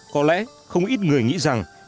có lẽ không ít người nghĩ rằng